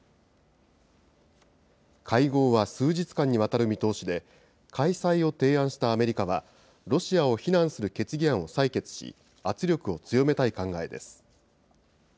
会合は数日間にわたる見通しで、開催を提案したアメリカは、ロシアを非難する決議案を採決し、圧力を強めたい考えです。